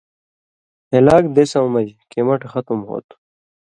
ہِلاک دیسؤں مژ کمٹہۡ ختم ہوتھہ .